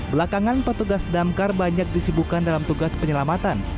belakangan petugas damkar banyak disibukan dalam tugas penyelamatan